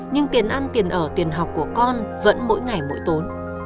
nhưng tiền ăn tiền ở tiền học của con vẫn mỗi ngày mỗi tốn